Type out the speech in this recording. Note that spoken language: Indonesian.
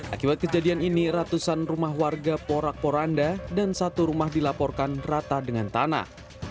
akibat kejadian ini ratusan rumah warga porak poranda dan satu rumah dilaporkan rata dengan tanah